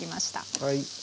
はい。